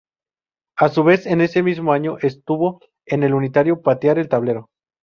A su vez en ese mismo año estuvo en el unitario "Patear el tablero".